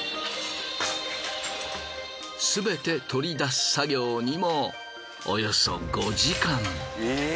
すべて取り出す作業にもおよそ５時間。